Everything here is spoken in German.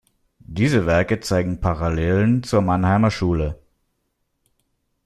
Diese Werke zeigen Parallelen zur Mannheimer Schule.